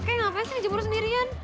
kayaknya ngapain sih nih jam lo sendirian